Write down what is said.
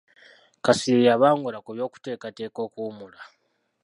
Kasirye yabangula ku by’okuteekateeka okuwummula.